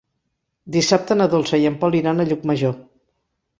Dissabte na Dolça i en Pol iran a Llucmajor.